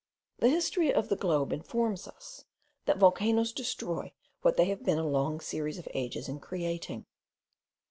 The history of the globe informs us, that volcanoes destroy what they have been a long series of ages in creating.